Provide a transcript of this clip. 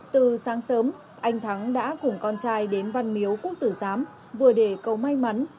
từ sáng sớm anh thắng đã cùng con trai đến văn miếu quốc tử giám vừa để cầu may mắn